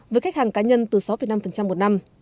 với khách hàng cá nhân từ sáu năm một năm